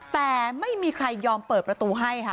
แต่ไม่มีใครยอมเปิดประตูให้ค่ะ